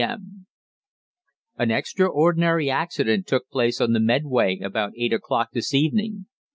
M.). "An extraordinary accident took place on the Medway about eight o'clock this evening.